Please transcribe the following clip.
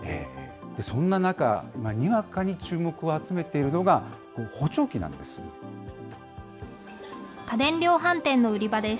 そんな中、にわかに注目を集めているのが、補聴器なんです。